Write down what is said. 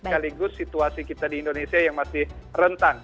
sekaligus situasi kita di indonesia yang masih rentang